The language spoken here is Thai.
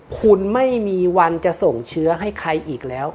คุณไม่มีวันจะส่งเชื้อให้ใครอีกแล้ว